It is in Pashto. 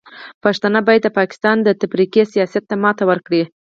پښتانه باید د پاکستان د تفرقې سیاست ته ماتې ورکړي.